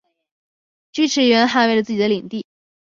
锯齿螈捍卫了自己的领地。